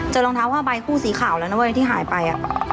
รองเท้าผ้าใบคู่สีขาวแล้วนะเว้ยที่หายไป